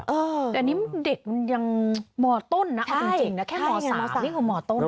อือแต่นี่เด็กมันยังมอต้นน่ะอาจจริงนะแค่มอสามนี่คือมอต้นน่ะใช่